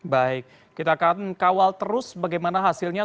baik kita akan kawal terus bagaimana hasilnya